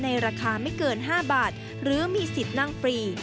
ราคาไม่เกิน๕บาทหรือมีสิทธิ์นั่งฟรี